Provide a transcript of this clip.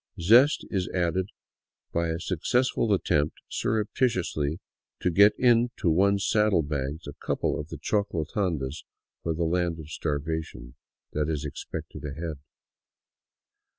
Zest is added by a successful attempt surreptitiously to get into one's saddle bags a couple of the choclo tandas for the land of starvation that is expected ahead.